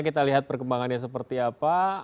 kita lihat perkembangannya seperti apa